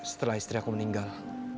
setelah istri aku meninggal